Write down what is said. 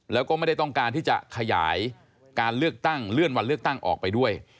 แล้วก็ไม่ได้ต้องการที่จะขยายการเลือกตั้งเลื่อนวันเลือกตั้งออกไปด้วย